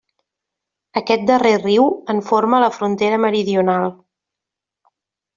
Aquest darrer riu en forma la frontera meridional.